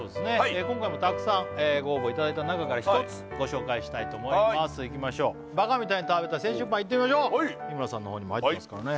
今回もたくさんご応募いただいた中から一つご紹介したいと思いますいきましょうバカみたいに食べた青春パンいってみましょう日村さんのほうにも入ってますからね